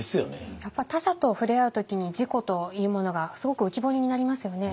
やっぱり他者と触れ合う時に自己というものがすごく浮き彫りになりますよね。